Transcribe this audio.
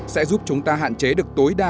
sẽ giúp chúng ta hạn chế được tối đa